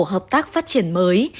hợp tác phát triển mới